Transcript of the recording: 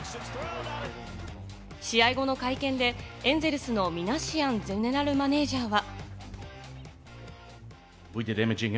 試合後の会見で、エンゼルスのミナシアンゼネラルマネージャーは。